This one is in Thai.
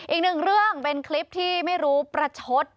อีกหนึ่งเรื่องเป็นคลิปที่ไม่รู้ประชด